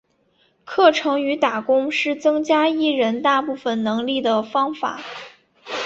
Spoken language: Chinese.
课程与打工是增加艺人大部分能力的方法。